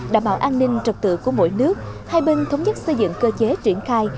đảm bảo an ninh trật tự của mỗi nước hai bên thống nhất xây dựng cơ chế triển khai